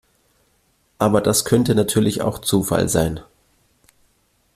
Aber das könnte natürlich auch Zufall sein.